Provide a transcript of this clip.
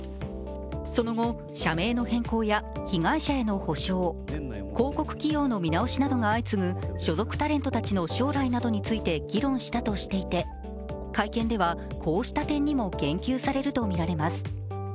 その後、社名の変更や被害者への補償、広告起用の見直しなどが相次ぐ、所属タレントたちの将来などについて議論したとしていて会見では、こうした点にも言及されるとみられます。